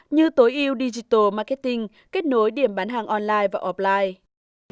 như tối ưu digital marketing kết nối điểm bán hàng online và offline